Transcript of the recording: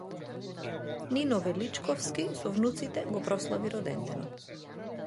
Нино Величковски со внуците го прослави роденденот